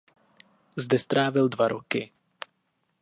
Zde strávil dva roky.